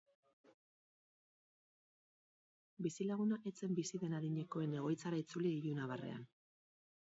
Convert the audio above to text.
Bizilaguna ez zen bizi den adinekoen egoitzara itzuli ilunabarrean.